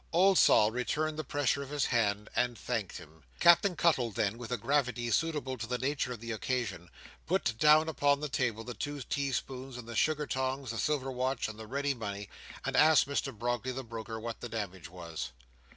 Old Sol returned the pressure of his hand, and thanked him. Captain Cuttle, then, with a gravity suitable to the nature of the occasion, put down upon the table the two tea spoons and the sugar tongs, the silver watch, and the ready money; and asked Mr Brogley, the broker, what the damage was.